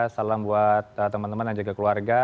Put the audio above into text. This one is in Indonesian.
salam buat teman teman dan juga keluarga